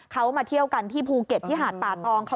เขามาเที่ยวกันที่ภูเก็ตที่หาดป่าตอง